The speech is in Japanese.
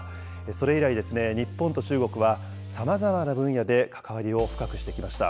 それ以来、日本と中国は、さまざまな分野で関わりを深くしてきました。